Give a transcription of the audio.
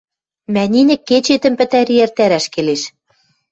– Мӓниньӹк кечетӹм пӹтӓри эртӓрӓш келеш.